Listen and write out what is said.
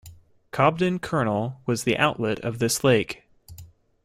Cobden Colonel was the outlet of this lake.